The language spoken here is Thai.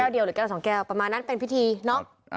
เดียวหรือแก้ว๒แก้วประมาณนั้นเป็นพิธีเนอะ